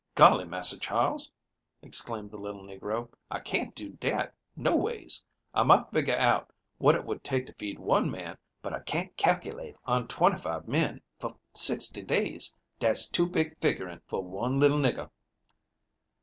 "Golly! Massa Charles," exclaimed the little negro. "I can't do dat, noways. I might figure out what it would take to feed one man, but I can't calculate on twenty five men for sixty days. Dat's too big figuring for one little nigger."